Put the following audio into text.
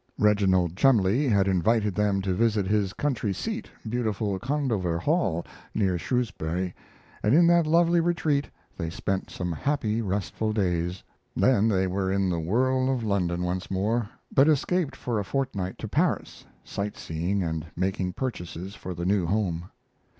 Reginald Cholmondeley had invited them to visit his country seat, beautiful Condover Hall, near Shrewsbury, and in that lovely retreat they spent some happy, restful days. Then they were in the whirl of London once more, but escaped for a fortnight to Paris, sight seeing and making purchases for the new home.